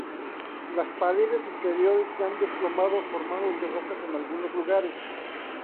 Las paredes interiores se han desplomado, formando terrazas en algunos lugares.